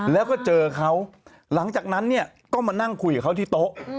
แล้วก็เจอเขาหลังจากนั้นเนี่ยก็มานั่งคุยกับเขาที่โต๊ะ